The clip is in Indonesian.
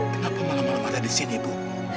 kenapa malam malam ada di sini ibu